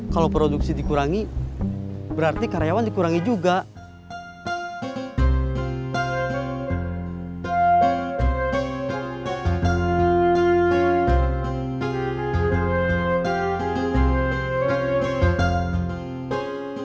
kalau produksi dikurangi berarti karyawan dikurangi juga